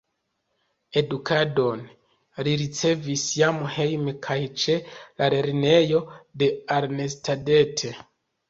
Edukadon li ricevis jam hejme kaj ĉe la lernejo de Arnstadt.